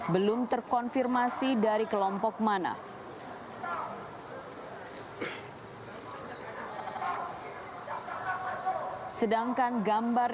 bentuk formasi teman teman